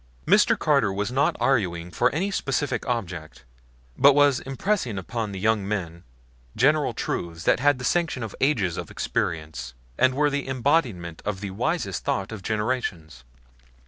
Mr. Carter was not arguing for any specific object, but was impressing upon the young men general truths that had the sanction of ages of experience, and were the embodiment of the wisest thought of generations.